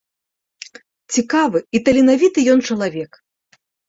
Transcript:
Цікавы і таленавіты ён чалавек.